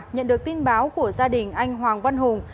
nhận được tin báo của gia đình anh hoàng văn hùng